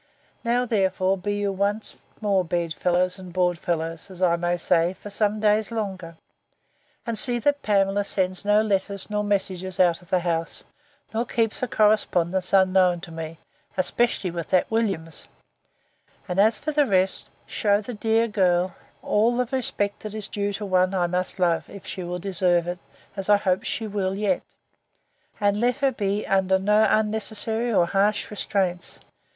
—Now, therefore, be you once more bed fellows and board fellows, as I may say, for some days longer; and see that Pamela sends no letters nor messages out of the house, nor keeps a correspondence unknown to me, especially with that Williams; and, as for the rest, shew the dear girl all the respect that is due to one I must love, if she will deserve it, as I hope she will yet; and let her be under no unnecessary or harsh restraints.